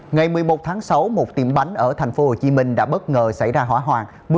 ngày một mươi một tháng sáu một tiệm bánh ở tp hcm đã bất ngờ xảy ra hỏa hoạn